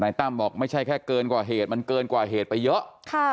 ตั้มบอกไม่ใช่แค่เกินกว่าเหตุมันเกินกว่าเหตุไปเยอะ